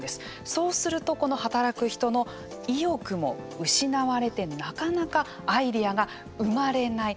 そうすると働く人の意欲も失われてなかなかアイデアが生まれない。